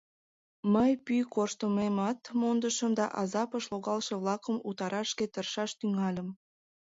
Мый пӱй корштымемат мондышым да азапыш логалше-влакым утараш шке тыршаш тӱҥальым.